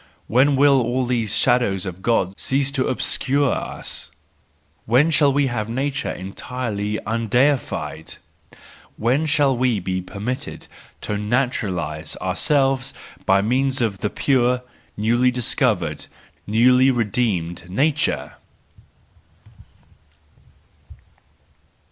When will all these shadows of God cease to obscure us ? When shall we have nature entirely undeified! When shall we be permitted to naturalise our¬ selves by means of the pure, newly discovered, newly redeemed nature